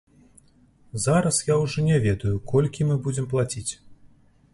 Зараз я ўжо не ведаю, колькі мы будзем плаціць.